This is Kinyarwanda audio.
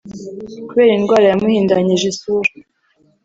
kubera indwara yamuhindanyije isura